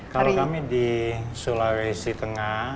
kalau kami di sulawesi tengah